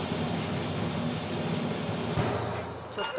ちょっと。